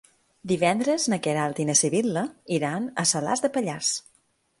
Divendres na Queralt i na Sibil·la iran a Salàs de Pallars.